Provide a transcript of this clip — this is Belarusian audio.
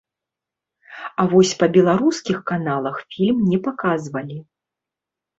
А вось па беларускіх каналах фільм не паказвалі.